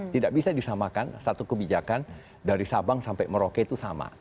tidak bisa disamakan satu kebijakan dari sabang sampai merauke itu sama